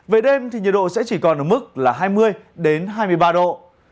về đêm thì nhiệt độ sẽ chỉ còn ở mức là hai mươi hai mươi ba độ